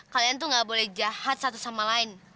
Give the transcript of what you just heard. kalian tuh gak boleh jahat satu sama lain